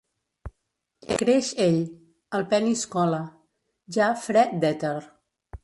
Creix ell: el penis cola, ja fre d'èter.